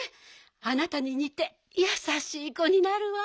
あなたににてやさしいこになるわ。